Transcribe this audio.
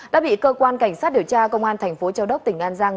đã bị cơ quan cảnh sát điều tra công an tp châu đốc tỉnh an giang